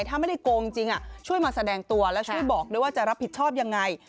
ถ้าไม่ได้โกงจริงช่วยมาแสดงตัวแล้วช่วยบอกด้วยว่าจะรับผิดชอบยังไง